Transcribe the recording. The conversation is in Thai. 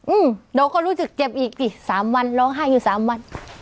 อืมเราก็รู้สึกเจ็บอีกสิสามวันร้องไห้อยู่สามวัน